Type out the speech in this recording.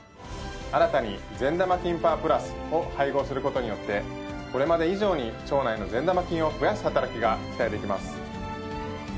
新たに善玉菌パワープラスを配合する事によってこれまで以上に腸内の善玉菌を増やす働きが期待できます。